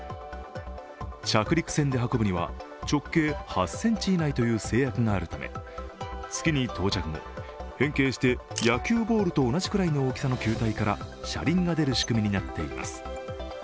着陸船で運ぶには直径８ｃｍ以内という制約があるため月に到着後、変形して野球ボールと同じくらいの大きさの球体から車輪が出る仕組みになっています。